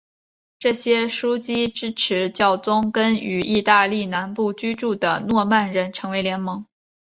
这些枢机支持教宗跟于意大利南部居住的诺曼人成为联盟。